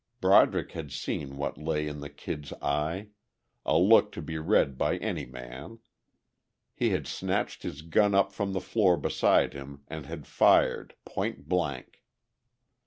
Broderick had seen what lay in the Kid's eye, a look to be read by any man; he had snatched his gun up from the floor beside him and had fired, point blank.